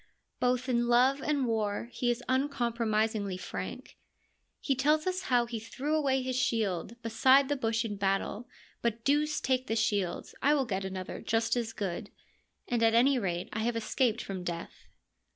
Both in love and war he is uncompromisingly frank. He tells us how he threw away his shield ' beside the bush in battle : but deuce take the shield, I will get another just as good, and at any rate I have escaped from death.'